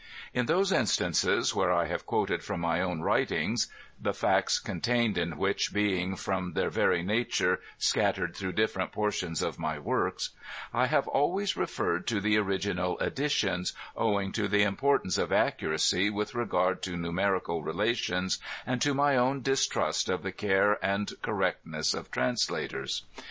In those instances where I have quoted from my own writings (the facts contained in which being, from their very nature, scat tered through different portions of my works), I have always referred to the original editions, owing to the importance of accuracy with regard to numerical relations, and to my own distrust of the care and correctness of translators.